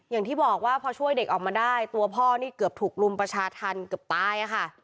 อย่างที่บอกว่าพอช่วยเด็กออกมาได้ตัวพ่อนี่เกือบถูกรุมประชาธรรมเกือบตายอะค่ะ